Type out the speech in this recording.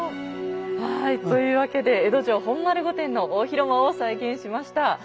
はいというわけで江戸城本丸御殿の大広間を再現しました。